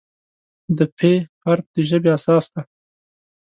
د "پ" حرف د ژبې اساس دی.